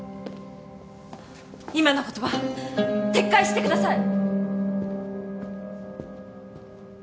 今の言葉撤回してください！